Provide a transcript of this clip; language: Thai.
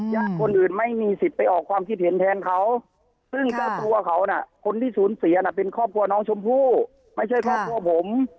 คนอื่นไม่มีสิทธิ์ไปออกความคิดเห็นแทนเขาซึ่งเจ้าตัวเขาน่ะคนที่สูญเสียน่ะเป็นครอบครัวน้องชมพู่ไม่ใช่ครอบครัวผม